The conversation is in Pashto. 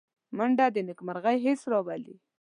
منډه د نېکمرغۍ حس راولي